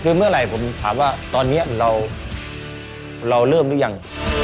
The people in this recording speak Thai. คือเมื่อไหร่ผมถามว่าตอนนี้เราเริ่มหรือยัง